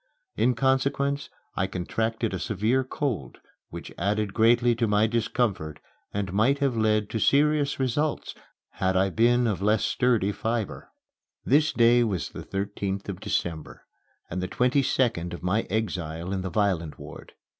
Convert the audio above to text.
In consequence I contracted a severe cold which added greatly to my discomfort and might have led to serious results had I been of less sturdy fibre. This day was the thirteenth of December and the twenty second of my exile in the violent ward.